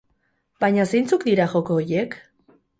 Baina zeintzuk dira joko horiek?